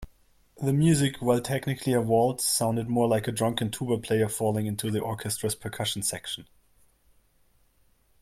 The music, while technically a waltz, sounded more like a drunken tuba player falling into the orchestra's percussion section.